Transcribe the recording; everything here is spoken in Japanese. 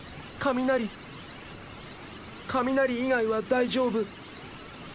雷雷以外は大丈夫。